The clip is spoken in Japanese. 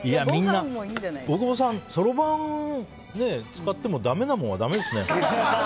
大久保さん、そろばんを使ってもだめなもんはだめですね。